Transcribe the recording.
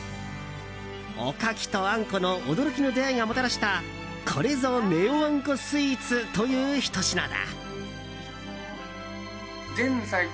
おかきとあんこの驚きの出会いがもたらしたこれぞネオあんこスイーツというひと品だ。